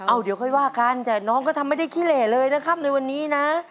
เอาเดี๋ยวค่อยว่ากันแต่น้องก็ทำไม่ได้ขี้เหล่เลยนะครับในวันนี้นะ